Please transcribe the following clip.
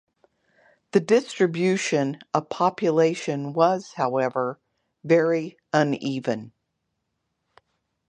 The distribution of population was, however, very uneven.